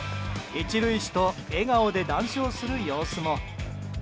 １塁手と笑顔で談笑する様子も。